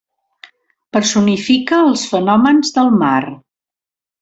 Personifica els fenòmens del mar.